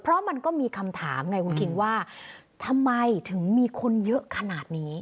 เพราะมันก็มีคำถามไงคุณคิงว่าทำไมถึงมีคนเยอะขนาดนี้